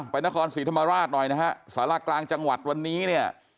ไปนครศรีธรรมราชหน่อยนะฮะสารากลางจังหวัดวันนี้เนี่ย